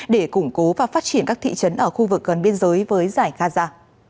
để củng cố và phát triển các thị trấn ở khu vực gần biên giới với giải gaza